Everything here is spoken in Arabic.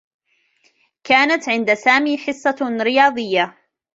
كانت عند سامي حصّة رياضة.